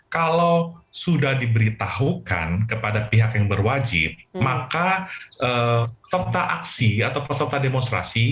kalau sudah diberitahukan kepada pihak yang berwajib maka serta aksi atau peserta demonstrasi